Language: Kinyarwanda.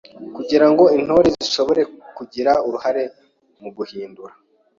Kugira ngo intore zishobore kugira uruhare mu guhindura